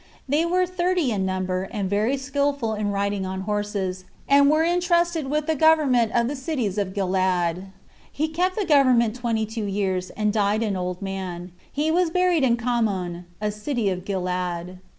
They were thirty in number, and very skillful in riding on horses, and were intrusted with the government of the cities of Gilead. He kept the government twenty two years, and died an old man; and he was buried in Camon, a city of Gilead.